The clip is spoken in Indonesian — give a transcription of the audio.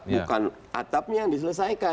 bukan atapnya yang diselesaikan